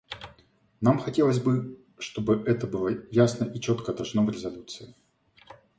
Нам хотелось бы, чтобы это было ясно и четко отражено в резолюции.